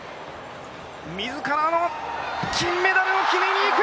自らの金メダルを決めにいく！